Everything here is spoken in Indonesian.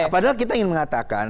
padahal kita ingin mengatakan